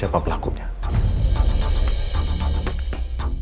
bagaimana menjawab tujuan istri